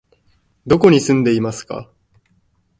どこに住んでいますか？